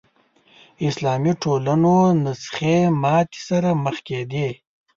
اسلامي ټولنو نسخې ماتې سره مخ کېدې